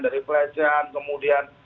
dari pelecehan kemudian